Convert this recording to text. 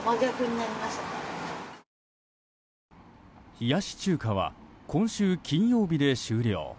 冷やし中華は今週金曜日で終了。